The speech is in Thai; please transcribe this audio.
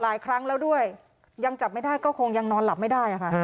หลายครั้งแล้วด้วยยังจับไม่ได้ก็คงยังนอนหลับไม่ได้ค่ะ